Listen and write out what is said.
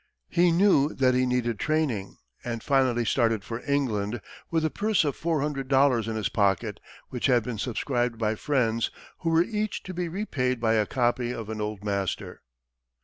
He knew that he needed training, and finally started for England with a purse of four hundred dollars in his pocket, which had been subscribed by friends, who were each to be repaid by a copy of an old master.